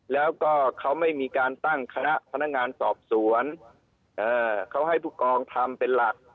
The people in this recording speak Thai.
แล้วก็เขาไม่มีการตั้งคณะพนักงานสอบสวนเขาให้ผู้กองทำเป็นหลัก